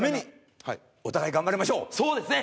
そうですね！